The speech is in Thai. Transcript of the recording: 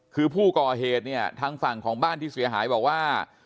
คือผู้ก่อเหตุเนี่ยทางฝั่งของบ้านที่เสียหายบอกว่า